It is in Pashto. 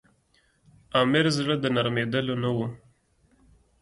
امیر زړه د نرمېدلو نه وو.